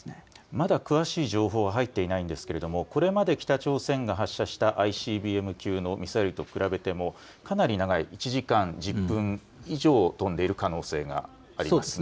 まだ詳しい情報は入っていないんですがこれまで北朝鮮が発射したＩＣＢＭ級のミサイルと比べてもかなり長い、１時間１０分以上飛んでいる可能性がありますね。